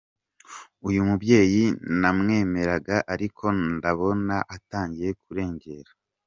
Uyu mubyeyi namwemeraga ariko ndabona atangiye kurengera.